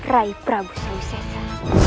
rai prabu surawi sesa